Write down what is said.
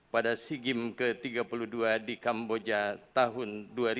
pada sigim ke tiga puluh dua di kamboja tahun dua ribu dua puluh tiga